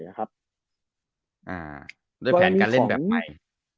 ด้วยแผนการเล่นแบบใหม่